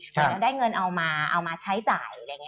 ก็จะได้เงินเอามาเอามาใช้จ่าย